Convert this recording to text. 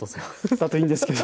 だといいんですけど。